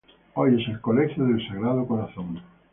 Hoy es el Colegio del Sagrado Corazón.